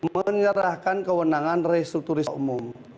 menyerahkan kewenangan restrukturis umum